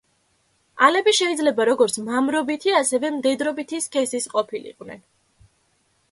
ალები შეიძლება როგორც მამრობითი, ასევე მდედრობითი სქესის ყოფილიყვნენ.